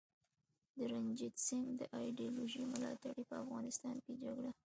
د رنجیت سینګ د ایډیالوژۍ ملاتړي په افغانستان کي جګړه